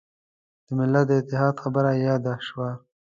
د ملت د اتحاد خبره یاده شوه.